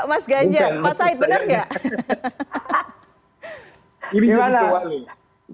mas ganjar mas said benar tidak